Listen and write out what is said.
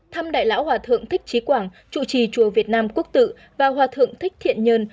thăm đại lão hòa thượng thích trí quảng chủ trì chùa việt nam quốc tự và hòa thượng thích thiện nhân